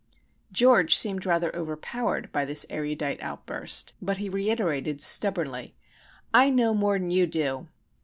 George seemed rather overpowered by this erudite outburst; but he reiterated stubbornly:—"I know more'n you do!"